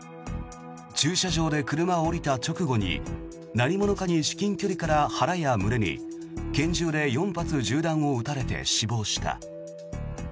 駐車場で車を降りた直後に何者かに至近距離で腹や胸に拳銃で４発銃弾を撃たれて死亡した。